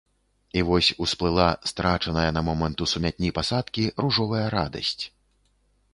І вось усплыла страчаная на момант у сумятні пасадкі ружовая радасць.